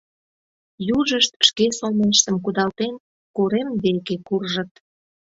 Южышт, шке сомылыштым кудалтен, корем веке куржыт.